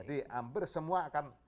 jadi hampir semua akan